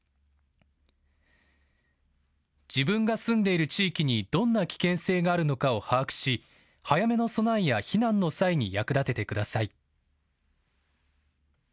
自分が住んでいる地域にどんな危険性があるのかを把握し、早めの備えや避難の際に役立ててください。